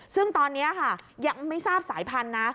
ซึ่งตอนนี้ค่ะยังไม่ทราบสายพันธุ์นะ